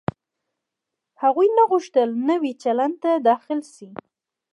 هغوی نه غوښتل نوي چلند ته داخل شي.